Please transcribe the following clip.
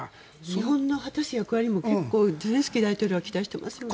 日本の果たす役割も結構、ゼレンスキー大統領は期待してますよね。